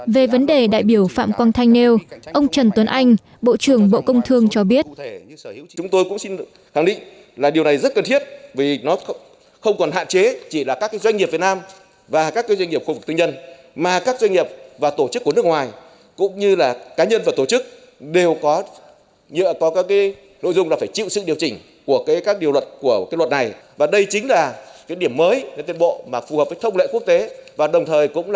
về vấn đề đại biểu phạm quang thanh nêu ông trần tuấn anh bộ trưởng bộ công thương cho biết